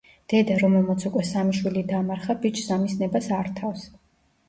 დედა, რომელმაც უკვე სამი შვილი დამარხა, ბიჭს ამის ნებას არ რთავს.